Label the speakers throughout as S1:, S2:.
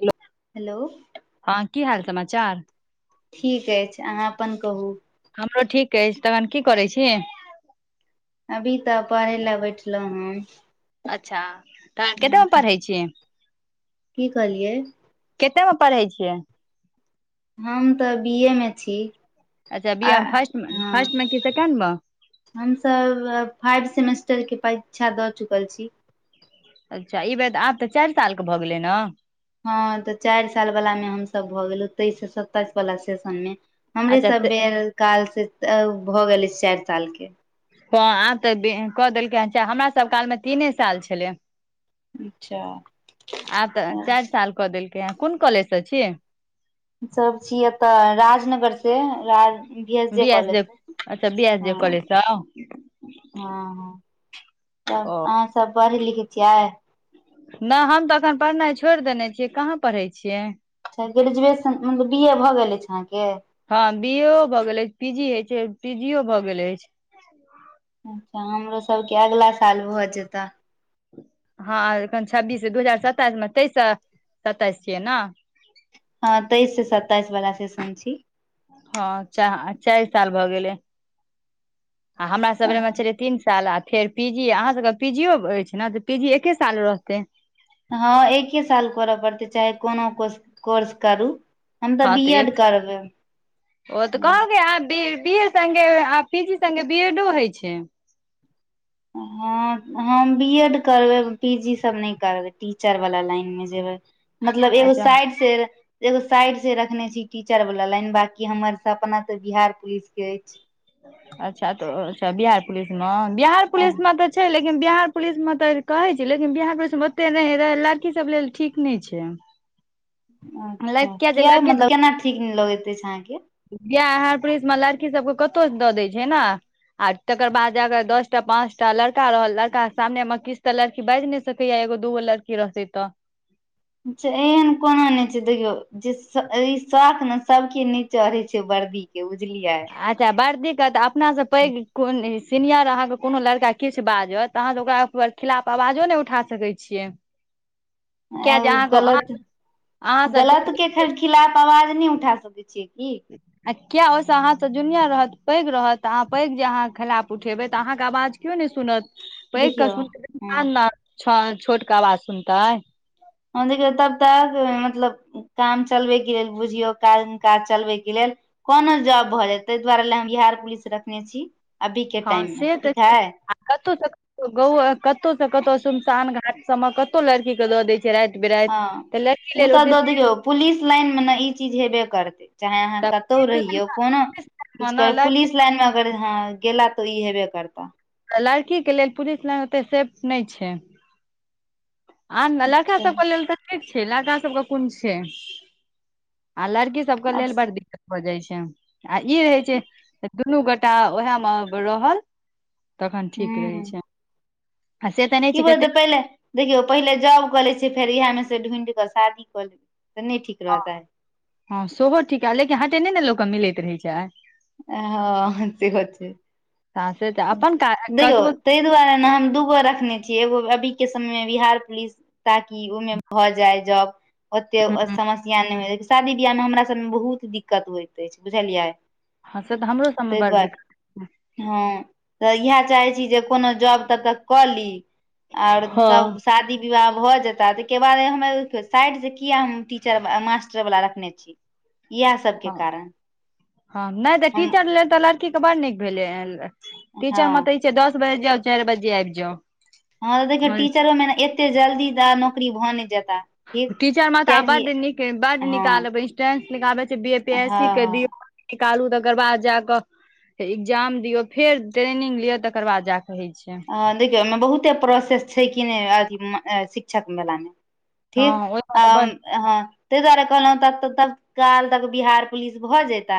S1: hello
S2: hello
S1: हँ की हाल समाचार
S2: ठीक अछि अहाँ अपन कहू
S1: हमरो ठीक अछि तहन की करैत छी
S2: अभी तऽ पढ़े लए बैठलौं हँ
S1: अच्छा तऽ अहाँ केतेमे पढ़ै छियै
S2: की कहलियै
S1: कते मे पढ़ै छियै
S2: हम तऽ बी ए मे छी
S1: अच्छा बी
S2: आ
S1: ए मे फर्स्ट मे
S2: हँ
S1: फर्स्ट मे कि सेकेंड मे
S2: हम तऽ फाइव सेमेस्टर के परीक्षा दऽ चुकल छी
S1: अच्छा ई बेर आब तऽ चारि साल के भऽ गेलै ने
S2: हँ तऽ चारि साल वला मे हम सभ भऽ गेलौं तेइस से सताइस वाला सेशन मे हमरे
S1: अच्छा
S2: सब
S1: त-
S2: बेर काल से भऽ गेलै चारि साल के
S1: हँ आब तऽ कऽ देलकै हन हमरा सब कालमे तीने साल छेलै
S2: अच्छा
S1: आब तऽ चारि साल कऽ देलकै ये कोन कॉलेजसँ छी
S2: सब छीय एतऽ राजनगर से बी एस जे कॉलेज से ह
S1: कलेज
S2: हँ हँ त
S1: ओ
S2: अहाँ सब पढ़ी लिखै छियै
S1: नय हम तऽ एखन पढ़नाइ छोड़ देने छियै कहाँ पढ़ै छियै
S2: अच्छा ग्रेजुएशन मतलब बी ए भऽ गेल अइछ अहाँके
S1: हँ बी ए भऽ गेल अइछ पीजी हय छै पी जी भए गेल अइछ हं
S2: अच्छा हमरो सबके अगिला साल भऽ जेतै
S1: हँ एखन छब्बीस दू हजार सताइस मे तेइस सताइस छियै ने
S2: हँ तेइस से सताइस वला सेशन छी
S1: हँ च चाइर साल भऽ गेलै आ हमरा सबरमे छलै तीन साल आ फेर पी जी अहाँ सबके पीजियो अइछ ने तऽ पी जी एके साल रहतै
S2: हँ एके साल करऽ पड़तै चाहे कोनो को कोर्स करू हम
S1: हँ
S2: बी
S1: तऽ
S2: एड
S1: एक
S2: करबै
S1: ओ तऽ कह ग सगे आ पी जी सगे बीएडो होइ छै
S2: हँ हम बी एड करबै पी जी सब नय करबै टीचरवला लाइनमे जेबै मतलब एगो
S1: अच्छा
S2: साइड से एगो साइड से रखने छी टीचर वला लाइन बाकी हमर सब अपना तऽ बिहार पुलिस के अइछ
S1: अच्छा तऽ अच्छा बिहार पुलिस मे बिहार पुलिस मे तऽ छै लेकिन लेकिन बिहार पुलिस में तऽ कहे छै लेकिन बिहार पुलिस में ओते नय रह लड़की सब लेल ठीक नय छै
S2: अच्छा किया मतलब केना ठीक लगैत अइछ अहाँके
S1: बिहार पुलिसमे लड़की सबके कतहु दऽ दै छै ने आ तकर बाद जाक दस टा पांच टा लड़का रहल लड़का के सामने मे किछ तऽ लड़की बाइज नय कए एगो द दु बो ल क किरसै तऽ
S2: चछा एहन कोना नय छै देखौ जे ई शौख ने सबके ने चढ़े छै वर्दी के बुझलियै
S1: अच्छा बड़ दिक्कत अपनासँ पैघ कोन सीनियर अहाँके कोनो लड़का किछ बाजत तऽ अहाँ तऽ ओकरा खिलाफ अवाजो नइ उठा सकै छियै किया जे
S2: गलत
S1: अहाँके अहाँ से
S2: गलत के खिलाफ अवाज नय उठा सकै छियै की
S1: आ किया ओहिसँ अहाँसँ जुनिया रहत पैघ रहत तऽ अहाँ पैघ जे अहाँके खिलाफ उठेबै तऽ अहाँके आवाज को नय सुनत पैघ क
S2: देखियौ ह
S1: सुन छोट क आवाज सुनतै
S2: देख तब त मतलब काम चलबे के लेल बुझियौ काज काज चलबे के लेल कोनो जॉब भऽ जाय तहि दुआरे लए हम बिहार पुलिस रखने छी अभीके टाइममे ठीक है
S1: कतौ से कत कतहु से कतहु सुमशान घाट सब मे कतहु लड़की के दऽ दय छी राईत बिराईत
S2: हँ ओ तऽ दऽ दियऔ पुलिस लाइन मे ने ई चीज हेबे करतै चाहे अहाँ कतौ रहियो कोनो कुछ कर
S1: लड़की
S2: पुलिस लाइन मे अगर ह गेला तऽ ई हेबे करता
S1: तऽ लड़की के लेल पुलिस लइन ओते सेफ नय छै आ ने लड़का
S2: अच्छा
S1: सबके लेल तऽ ठीक छै लड़का सबके कोन छै आ लड़की सबके
S2: आब
S1: लेल बड दिक्कत भ जाइ छै आ ई रहै छै दुनू गोटा उएह मे रहल तखन ठीक रहै छै आ से तऽ नहि
S2: ई
S1: छै
S2: भऽ
S1: कते
S2: जेतै पहिले देखियौ पहिले जॉब कऽ लै छियै फेर इएहमे से ढूँढ कऽ शादी कऽ लेबै तऽ नइ ठीक रहतै
S1: हँ सेहो ठीक लेकिन हटे नै नऽ लोक कऽ मिलैत रहै छै
S2: हँ सेहो छै
S1: से तऽ अपन काज
S2: देखियौ
S1: कतबो
S2: ताहि दुआरे नऽ हम दूगो रखने छीयै एगो अभी केँ समयमे बिहार पुलिस ताकि ओहिमे भऽ जाय जोब ओते समस्य नहि होइ शादी बियाहमे हमरा सभमे बहुत दिक्कत होइत अछि बुझलियै
S1: हँ से तऽ हमरो सबमे
S2: ताहि
S1: बड़
S2: दुआरे
S1: दिक्कत
S2: हँ तऽ इएह चाहे छी जे कोनो जॉब तब तक कऽ ली आओर
S1: हँ
S2: तब शादी विवाह भऽ जेता ताहिके बाद हम साइडसँ किया हम टीचर मास्टर वला रखने छी [unintelligible]
S1: हँ
S2: कारण
S1: हँ नहि तऽ
S2: हम
S1: टीचर लेल तऽ लड़की केँ बड़ नीक भेलै टीचर मऽ
S2: हँ
S1: इ छै दस बाजे जाउ चार बाजे आबि जाउ
S2: हँ तऽ देखियौ टीचरो मे नऽ एते जल्दी त नौकरी भऽ नहि जेता ठीक
S1: टीचर म तऽ आब
S2: कियाकि
S1: बड नीक बड
S2: हँ
S1: निकाल इंटेंस निकाल छै B A P S C केँ दिऔ
S2: हँ
S1: निकालू तकर बाद जा कऽ एकग्जाम दियौ फेर ट्रेनिंग लियअ तकर बाद जाकऽ होैइ छै
S2: हँ देखियौ ओहिमे बहुते प्रोसेस छै कि नै अथि शिक्षक बलामे
S1: हँ
S2: ठीक
S1: ओहिमे तऽ
S2: आब
S1: बड
S2: हँ ताहि दुआरे कहलहु त तत्काल तक बिहार पुलिस भए जेता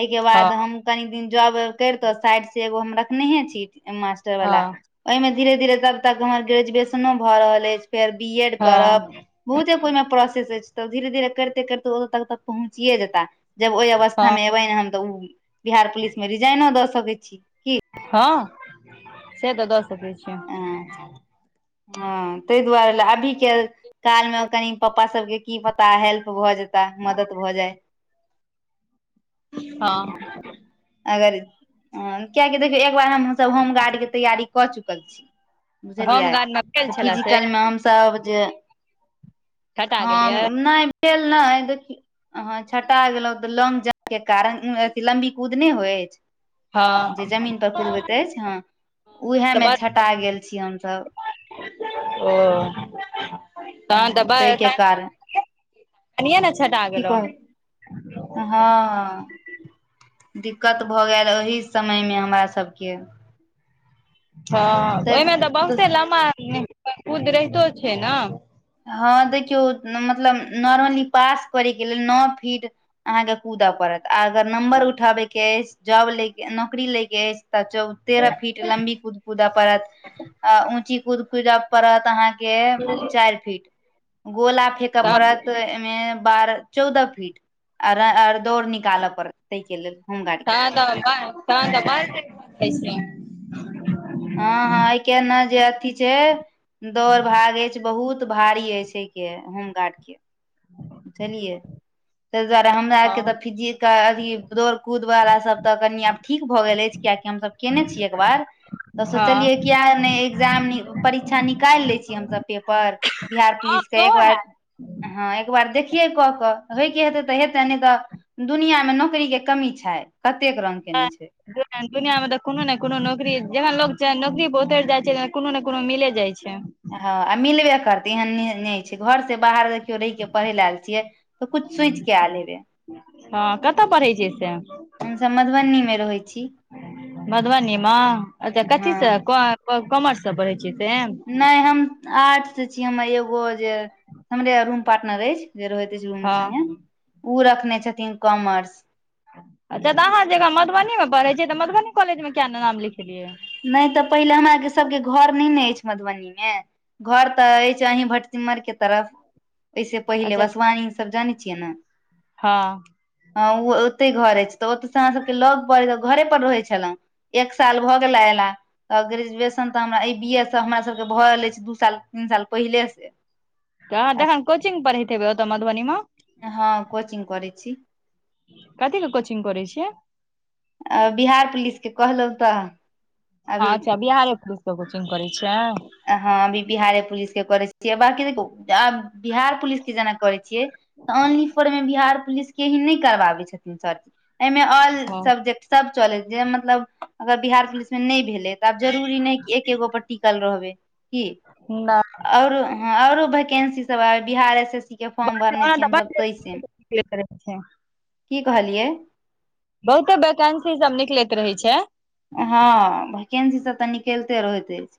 S2: एहिके बाद
S1: हँ
S2: हम कनी दिन जॉब उब करितो साइड से एगो हम रखनेहे छी मास्टर वला
S1: हँ
S2: ओहिमे धीरे धीरे तब तक हमर ग्रेजुएशनो भऽ रहल अछि फेर बी एड करब
S1: हँ
S2: बहुते ओहिमे प्रोसेस अछि तऽ धीरे धीरे करिते करिते ओतऽ तक तक पहुँचिए जेता जब ओहि अवस्था
S1: हँ
S2: मे एबै हम तऽ उ बिहार पुलिस मे रिजाइनो दऽ सकै छी
S1: हँ से तऽ दऽ सकै छिये
S2: की हँ ताहि दुआरे लऽ अभी केँ काल मे कनि पपा सबके की पता हेल्प भऽ जेते तऽ मदद भऽ जाए
S1: हँ
S2: अगर कियकि देखियौ एक बार हम सब होम गर्ड कऽ तैयारी कऽ चुकल छी बुझलियै
S1: होमगार्ड मे फेल
S2: तऽ
S1: छले से
S2: फिजिकल मे हम सब जे
S1: हटा
S2: हँ
S1: गेलियै
S2: नहि भेल नै देखियौ छटा गेलहु तऽ लैंग जम्प केँ कारण अथि लम्बी कुद नइ होइ अछि जे
S1: हँ
S2: जमीन पर कुदबैत अछि हँ उएहे
S1: तऽ
S2: मे
S1: बड
S2: छटा गेल छी हमसभ
S1: ओ तहन
S2: ह
S1: तऽ [unintelligible]
S2: ताहिके कारण
S1: कनए लऽ छटा
S2: की
S1: गेलो
S2: कहब हँ दिक्कत भऽ गेल ओहि समयमे हमरा सभ केँ
S1: हँ ओहिमे तऽ बहुते लम्बा कूद रहितो छै नऽ
S2: हँ देखियौ मतलब नॉर्मली पास करै केँ लेल नौ फिट अहाँकेँ कूदऽ पड़त आ अगर नम्बर उठाबय केँ अछि जॉब लै केँ नौकरी लै केँ अछि तऽ चौ तेरह फीट लम्बी कुद पूदऽ पड़त अ ऊची कुद पूदा पड़त अहाँकेँ केँ चारि फीट गोला फेकऽ
S1: तहन
S2: पड़त मे बारह चौदह फीट आर दौड़ निकाले पड़त तै के लेल होमगार्ड गेल
S1: ह ब [inaudible] तह दब खै छै [unintelligible]
S2: हँ हँ ए के ने जे अथी छै दौड़ भागे छै बहुत [unintelligible] सुधारी ह छै के होमगार्ड के बुझलियै ताहि दुआरे हमरा आरके
S1: हँ
S2: तऽ फिजिक अथी दौड़ कूदवला सब तऽ कनि आब ठीक भऽ गेल अछि कियकि हमसभ केने छियै एक बार तऽ
S1: हँ
S2: सोचलियै कि किया नहि एग्जाम परीक्षा निकालि लै छी हमसब पेपर बिहार पुलिसके
S1: सेहो
S2: एक बार
S1: हैत
S2: हँ एकबार देखिये कऽ के होय के हेते तऽ हेते नहि तऽ दुनिया मे नौकरी के कमी छै कतेक रंग के नीचे
S1: दुनियाँ मे तऽ कोनो ने कोनो नौकरी जखन लोग छै नौकरी पर उतरि जाइ छै त कोनो ने कोनो मिले जाइ छै
S2: हँ आ मिलबे करतै एहन नहि छै घर से बाहर ओ रहि के पढ़ ल आल छियै तऽ कुछ सोच क आयल हेबे
S1: हँ कतऽ पढ़ै छियै से
S2: हमसभ मधुबनीमे रहै छी
S1: मधुबनी मेऽ
S2: हँ
S1: कथी से कॉमर्स से पढ़ै छी से
S2: नहि हम आर्ट से छी हमर एगो जे हमरे रूम पार्टनर अछि जे रहैत रूम
S1: हँ
S2: संगे ओ रखने छथिन कॉमर्स
S1: अच्छा तऽ अहाँ जक मधबनीमे पढ़ैत छियै तऽ मधुबनी कॉलेज किया नाम लिखेलियै
S2: नहि तऽ पहिले हमरा आरके सबके घर नहि ने अछि मधुबनी मे घर तऽ अछि अही भटसिम्हर के तरफ एहिसे पहिले
S1: अच्छा
S2: वसवानी सब जानै छियै ने
S1: हँ
S2: ह ओ ओते घर अछि तऽ ओतयसँ अहाँ सबके लग पड़ै घरे पर रहै छले एक साल भऽ गेला ऐला तऽ ग्रेजुएशन तऽ हमरा ई बी एस हमरा सभके भऽ रहल अछि दू साल तीन साल पहिलेसँ
S1: अहाँ तखन कोचिग पढ़ैत हेबै ओतऽ मधुबनी मे
S2: हँ कोचिंग करै छीये
S1: कथी ले कोचिंग करै छियै
S2: आ बिहार पुलिसके कहलहुँ तऽ
S1: हँ
S2: अभी
S1: अच्छा बिहारे पुलिसके कोचिंग करै छीये
S2: हँ अभी बिहारे पुलिस के करै छियै बकी देख बिहार पुलिस के जेना करै छियै ऑनली फोर मेमे बिहार पुलिस के ही नहि करबाबै छथिन सरजी एहिमे ओल
S1: हँ
S2: सब्जेक्ट सब चलै जे मतलब अगर बिहार पुलिसमे नहि भेलै तऽ आब जरूरी नहि है कि एक गो पर टिकल रहबै की
S1: ओना
S2: आओरो ह आऔरो वैकेन्सी सब आबे बिहार एस एस सी के फॉर्म भरने छीये
S1: तऽ बड
S2: हमसब ताहिस
S1: निकलैत रहै छै,
S2: की कहलियै
S1: बहुते वैकेंसी सब निकलैत रहै छै
S2: हँ वैकेंसी से तऽ निकलिते रहैत अछि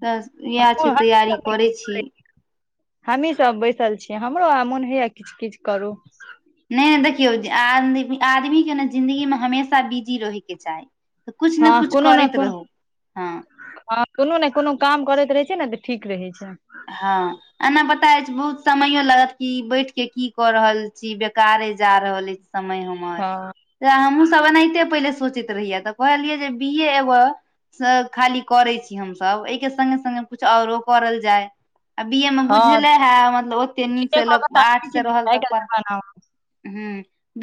S2: त इएह छै तैयारी करै छी
S1: हमही सब बैसल छीयै हमरो आ मोन होइया किछ किछु करु
S2: नहि देखियौ आदमी के ने जिंन्दगी मे हमेशा बिजी रहै के चाही तऽ कुछ ने
S1: हँ
S2: कुछ
S1: कोनो ने
S2: करैत
S1: कोनो
S2: रहू हँ
S1: हँ कोनो ने कोनो काम करै रहै छै ने तऽ ठीक रहै छै
S2: हँ एना बता बहुत समयो लागत कि बैठ के की कऽ रहल छी बेकारे जा रहल अइछ समय हमर
S1: हँ
S2: जे हमहूँसब एनाहिते पहिले सोचैत रहियै तऽ कहलियै जे बीे एबह खाली करे छी हमस एहि के संगे सगे कुछ औरो करल जाय आ बी ए मे
S1: हँ
S2: बुझले है मतलब ओते नीक से
S1: एक ओकर
S2: लोक
S1: सामने
S2: आर्ट्स
S1: छै,
S2: से रहल
S1: आइ
S2: तऽढ़
S1: काल्हि जमाना
S2: ह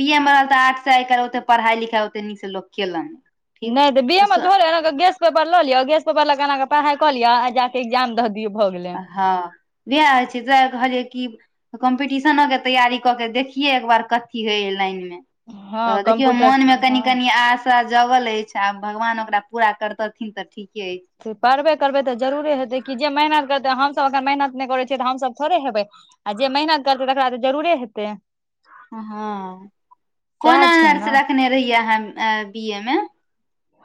S2: बी ए मे रहल तऽ आर्टस से आ ओते पढ़ाइ लिखाइ ओते नीक से लोक केलनि ठीक
S1: नय तऽ बिह म
S2: सो-
S1: तऽल गेस पेपर लो गेस पेपर ल केना के पाई क लिय आ जाक के एक्जाम दिय भ गेले
S2: हँ इह होइ छै त कहलियै कि कम्पीटिशनो के तैयारी कऽ के देखियै एक बार कथी होय लाइन मे
S1: हँ
S2: तऽ देखियौ
S1: कम्प्यूटर
S2: मन मे कनि
S1: हँ
S2: कनि आस थड़ा जगल अछि आ भगवान ओकरा पूरा करतथिन तऽ ठीके अइछ
S1: पढ़बे करबै तऽ जरुरे हेतै कि जे मेहनत करतै हमसब ओकरा मेहनत नय करै छियै तऽ हमसब थोड़े हेबै आ जे मेहनत करतै तकरा तऽ जरुरे हेतै
S2: हँ कोन
S1: सएह छै
S2: नर्स
S1: ने
S2: रखने रहियै अहाँ बी ए मे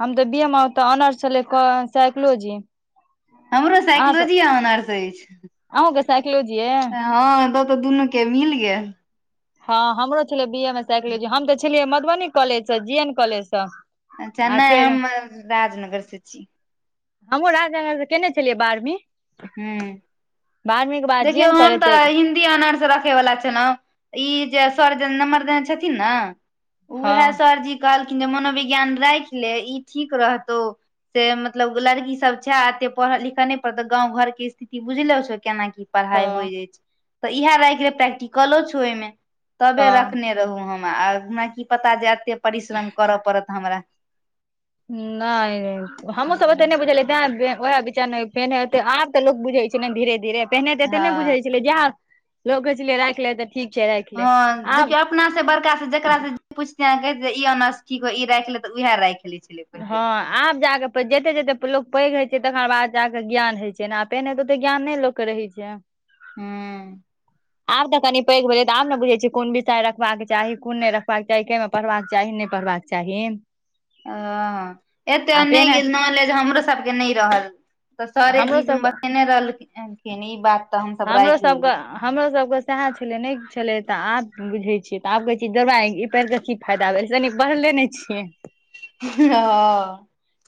S1: हम तऽ बी एम आ तऽ ऑनर्स छलै साइकलॉजी
S2: हमरो साइकलोजी ऑनर्स अइछ
S1: आ ग सैक्लोजिये
S2: हँ त तऽ दुनू के मिल गेल
S1: हँ हमरो छलै बी ए मे साइकोलॉजी हम तऽ छलियै मधुबनी कॉलेज से जी एन कॉलेज से
S2: अच्छा नय हम राजनगर से छी
S1: हमहूँ राजा घर त केने छलियै बारेमे
S2: ह
S1: बाद जे
S2: देखियौ
S1: एन
S2: हम
S1: कॉलेज से
S2: तऽ हि आनसँ रखे बला छलहुँ ई जे सर जे नम्रदन छथिन ने उएह
S1: हँ
S2: सरजी कहलखिन जे मनोविज्ञान राखि ले ई ठीक रहतौ से मतलब लड़की सब छै एते पढ़ लिखऽ नय पड़त गाँव घर के स्थिति बुझलो छौ केना की पढ़ाई
S1: हँ
S2: होइ जाइ छै तऽ इएह राख रहे प्रैक्टिकलो छौ ओहिमें तबे
S1: हँ
S2: रखने रहू हम आ हमरा की पता जे एते परिश्रम करय पड़त हमरा
S1: नय हमूँ सब ओते
S2: हँ
S1: नहि बुझलियै तै वएह पहिनेेब त लोको बुझे छै ने धीे धीरे पहिने ते एते ने
S2: हँ
S1: बुझे छै जा लोकै छलै रख ले तऽ ठीक छै राख
S2: हँ देखियौ अपना से बड़का से जेकास से पुछेहके जे ईनानज ठीक हइ ई राख ले तऽ उह राखि लय छै
S1: हँ आब जाकऽ जते जते लोक पैघ होइत छै तकर बाद जाकऽ ज्ञान होइत छै ने पहिने हेतै ओते ज्ञान नय लोकके रहै छै चा
S2: हूँ
S1: आब तऽ कनि पैघ भेलै तऽ आब ने बुझै छिय कोन विषय रखबाक चाही कोन नय रखबाक चाही कमे पढ़बाक चाही नय पढ़बाक चाही चाही
S2: ओ एतेक नय
S1: पहिने
S2: गेल नॉलेज हमरो सबके नय रहल तऽ सरे
S1: हमरो
S2: जीज
S1: सब
S2: बेने रहलखखिन ई बात तऽ हमसब
S1: हमरो
S2: राखि
S1: सबके
S2: लेलहुँ
S1: हमरो सबके सएह छले नय छले तऽ आब बुझे छियै तऽ आब कहे छ जोड़बा पर के फायदा भेल तन बढ़ले नय छियै
S2: हँ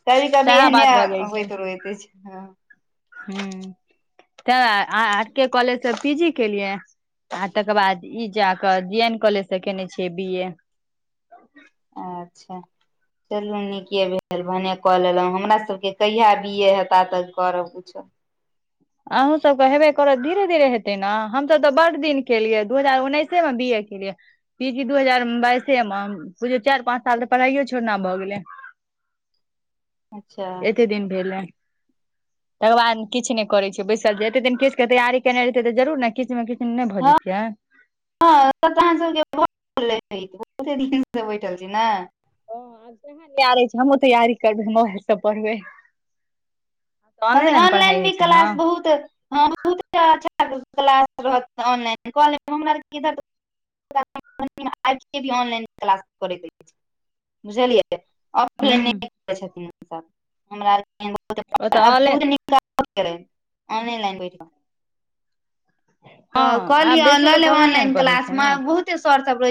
S2: कभी कभी
S1: सएह
S2: एहने
S1: बात भऽ
S2: होइत रहइत ह
S1: ह तऽ के कॉलेज से पी जी केेलिये आ तकर बाद ई जाकऽ जी एन कॉलेज से केने छ बी ए
S2: अच्छा चलू नीके भेल भने कऽ लेलहु हमरा सबके कहिया बी ए हेता तऽ करब किछो
S1: अहूँ सबऽ हेबे करत धीरे धीरे हेतै ने हमसब तऽ बड दिन केलियै दू हजार उन्नैस बच्चे मे बीए कलिये पी जी दू हजार बाइसे मे बुझ चाइर पांच साल तऽ पढ़ाइयो छोड़ना भए गेलै
S2: अच्छा
S1: एते दिन भेलै तकर बाद किछ नय करै छै बैसल छै एते दिन किछ के तैयार केना र रहतै तऽ जरूर ने किछ मे किछ नय भऽ जैतियै
S2: हँऽ अहाँ सबकेते से बैठल छी ने
S1: ह रहे छै हमँ तैयारी करबै हम पढ़बै
S2: हं
S1: ऑनलाइने ने पढ़ाइ
S2: अनलाइन
S1: होइ
S2: भी
S1: छै ने
S2: क्लास बहुत हँ बहुत अच्छा क्लास रह ऑनलाइन क लेब ऑनलाइन क्लास करै दय छै बुझलियै [unintelligible] ऑनलाइन
S1: हूँ ओतऽ ऑनलाइन
S2: लइन बैठ कऽ
S1: हँ
S2: तऽ कहलि
S1: आब बेसी
S2: लऽ
S1: लोक
S2: लेब
S1: ऑनलाइने ने
S2: ऑनलाइन
S1: पढ़ै
S2: क्लास
S1: छै ने
S2: में बहुते सर सब रहे